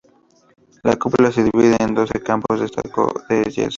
La cúpula se divide en doce campos de estuco de yeso.